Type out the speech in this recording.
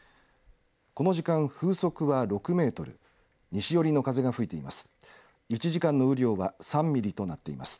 この時間、風速は６メートル西寄りの風が吹いています。